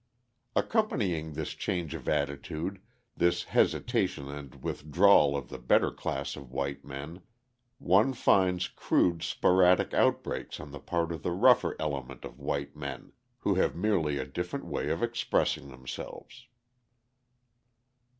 Accompanying this change of attitude, this hesitation and withdrawal of the better class of white men, one finds crude sporadic outbreaks on the part of the rougher element of white men who have merely a different way of expressing themselves.